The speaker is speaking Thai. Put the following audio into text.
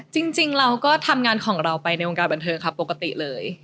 จริงเราก็ทำงานของเราไปในวงการบันเทิงครับปกติเลย